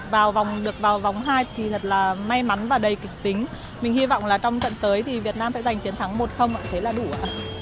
vào vòng được vào vòng hai thì thật là may mắn và đầy kịch tính mình hy vọng là trong tận tới thì việt nam sẽ giành chiến thắng một ạ thế là đủ